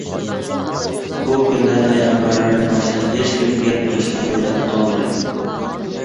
بۇ كۈندە پەيغەمبەرلەردىن باشقا ھېچكىم گەپ قىلىشقا جۈرئەت قىلالمايدۇ.